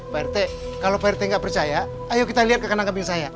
pak rete kalau pak rete gak percaya ayo kita lihat ke kanan kambing saya